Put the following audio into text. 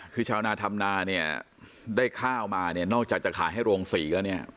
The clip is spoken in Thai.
คือชาวนาธรรมนาเนี่ยได้ข้าวมาเนี่ยนอกจากจะขายให้โรงศรีแล้วเนี่ย